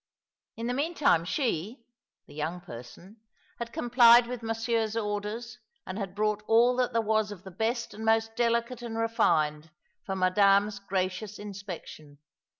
In the meantime she, the young person, had complied with Monsieur's orders, and had brought all that there was of the best and most delicate and refined for Madame's gracious inspection.